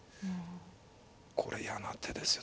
これ嫌な手ですよ。